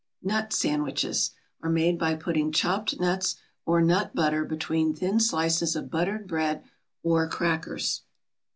NUT SANDWICHES are made by putting chopped nuts or nut butter between thin slices of buttered bread, or crackers.